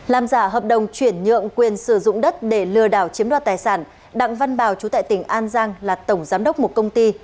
làm giả hợp đồng chuyển nhượng quyền sử dụng đất để lừa đảo chiếm đoạt tài sản đặng văn bảo chú tại tỉnh an giang là tổng giám đốc một công ty